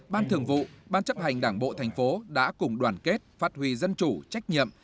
ban thường vụ ban chấp hành đảng bộ thành phố đã cùng đoàn kết phát huy dân chủ trách nhiệm